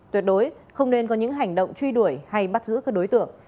tuyệt đối không nên có những hành động truy đuổi hay bắt giữ các đối tượng